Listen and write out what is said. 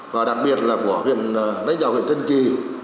và đặc biệt là của huyện lãnh đạo huyện tân kỳ